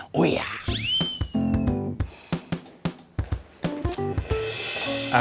paling enak pengantin baru